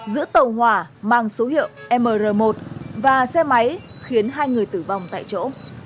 giữa tàu hỏa mang số hiệu mr một và xe máy khiến hai người tử vong tại chỗ